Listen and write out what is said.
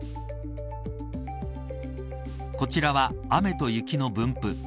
こちらは、雨と雪の分布。